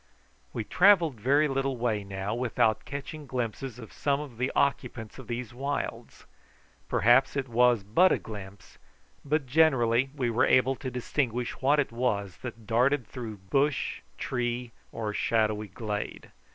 We travelled very little way now without catching glimpses of some of the occupants of these wilds. Perhaps it was but a glimpse, but generally we were able to distinguish what it was that darted through bush, tree, or shadowy glade.